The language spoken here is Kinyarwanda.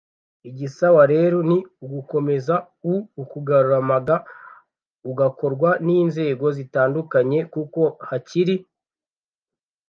Igisawa rero ni ugukomeza uukanguramaga ugakorwa n’inzego zitandukanye kuko hakiri